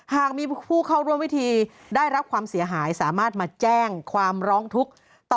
หากมีผู้เข้าร่วมพิธีได้รับความเสียหายสามารถมาแจ้งความร้องทุกข์ต่อ